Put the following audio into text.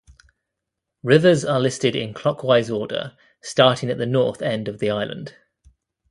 Rivers are listed in clockwise order, starting at the north end of the island.